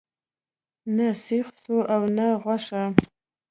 نه سیخ سوی او نه غوښه.